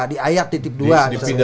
diayak titip dua